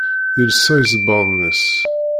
Yelsa isebbaḍen-is.